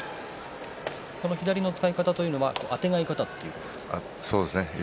左の使い方というのはあてがい方ということですか？